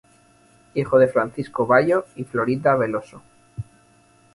Hijo de Francisco Bayo y Florinda Veloso.